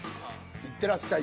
「いってらっしゃい」。